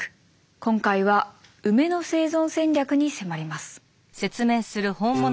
今回はウメの生存戦略に迫ります。